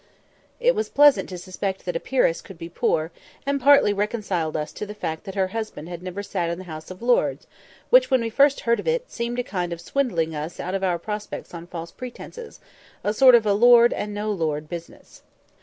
It was pleasant to suspect that a peeress could be poor, and partly reconciled us to the fact that her husband had never sat in the House of Lords; which, when we first heard of it, seemed a kind of swindling us out of our prospects on false pretences; a sort of "A Lord and No Lord" business.